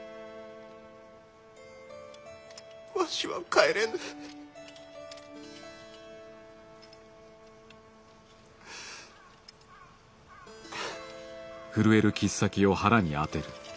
わしは帰れぬ。は。